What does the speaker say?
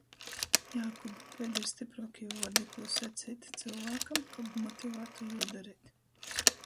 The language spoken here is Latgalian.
Jākub, kaidi ir stypruokī vuordi, kū saceit cylvākam, kab motivātu jū dareit?